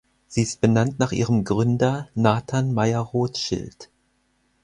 Sie ist benannt nach ihrem Gründer Nathan Mayer Rothschild.